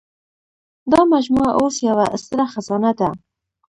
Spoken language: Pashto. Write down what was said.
دا مجموعه اوس یوه ستره خزانه ده.